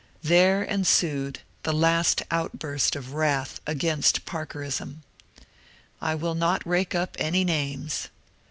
There ensued the last outburst of wrath against ^^ Parkerism." I will not rake up any names.